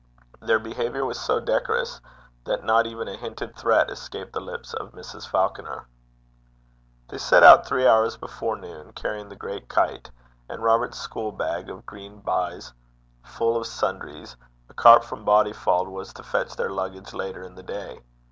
Their behaviour was so decorous that not even a hinted threat escaped the lips of Mrs. Falconer. They set out three hours before noon, carrying the great kite, and Robert's school bag, of green baize, full of sundries: a cart from Bodyfauld was to fetch their luggage later in the day.